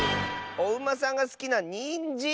おうまさんがすきなニンジン！